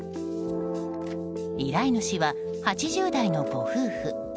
依頼主は８０代のご夫婦。